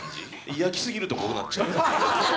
焼き過ぎるとこうなっちゃうっていう。